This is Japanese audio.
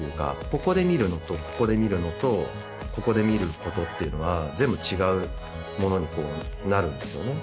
ここで見るのとここで見るのとここで見ることっていうのは全部違うものになるんですよね